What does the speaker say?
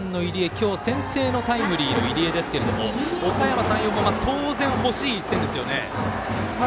今日、先制のタイムリーの入江ですけれどもおかやま山陽も当然欲しい１点ですよね。